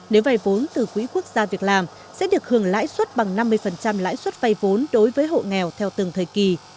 nếu vay vốn từ quỹ quốc gia việc làm sẽ được hưởng lãi suất bằng năm mươi lãi suất vay vốn đối với hộ nghèo theo từng thời kỳ